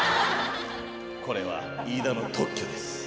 これはイイダの特許です。